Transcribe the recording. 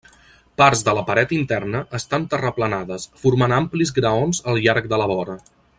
Parts de la paret interna estan terraplenades, formant amplis graons al llarg de la vora.